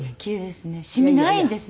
シミないんですね。